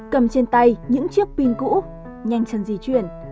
cầm trên tay những chiếc pin cũ nhanh chân di chuyển